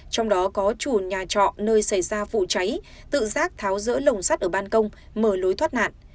trong đó có chủ nhà trọ nơi xảy ra vụ cháy tự giác tháo rỡ lồng sắt ở ban công mở lối thoát nạn